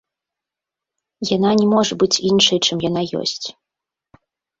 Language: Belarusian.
Яна не можа быць іншай, чым яна ёсць.